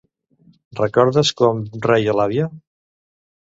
Recordes com reia l'àvia?